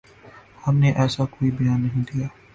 ہم نے ایسا کوئی بیان نہیں دیا